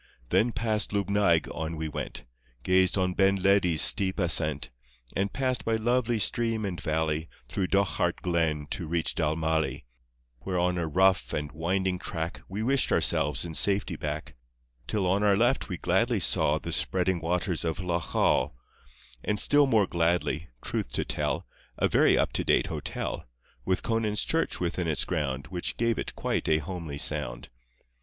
Then past Lubnaig on we went, Gazed on Ben Ledi's steep ascent, And passed by lovely stream and valley Through Dochart Glen to reach Dalmally, Where on a rough and winding track We wished ourselves in safety back; Till on our left we gladly saw The spreading waters of Loch Awe, And still more gladly truth to tell — A very up to date hotel, With Conan's church within its ground, Which gave it quite a homely sound.